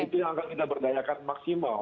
itu yang akan kita berdayakan maksimal